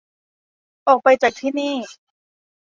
ออกไปจากที่นี่